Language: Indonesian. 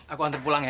aku antar pulang ya